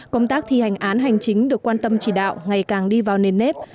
công tác thi hành án hành chính được quan tâm chỉ đạo ngày càng đi vào nền nếp